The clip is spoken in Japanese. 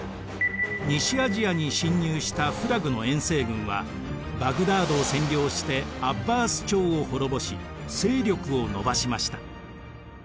西アジアに侵入したフラグの遠征軍はバグダードを占領してアッバース朝を滅ぼし勢力を伸ばしました。